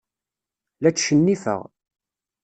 La tcennifeɣ.